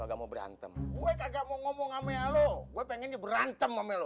kagak mau berantem gue kagak mau ngomong ama lo gue pengen diberantem sama lo